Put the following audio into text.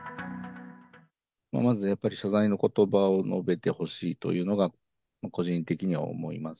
まずやっぱり謝罪のことばを述べてほしいというのが、個人的には思います。